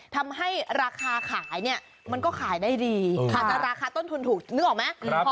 ทำให้ราคาขายเนี่ยมันก็ขายได้ดีอาจจะราคาต้นทุนถูกนึกออกไหม